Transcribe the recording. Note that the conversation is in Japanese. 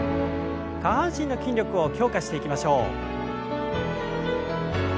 下半身の筋力を強化していきましょう。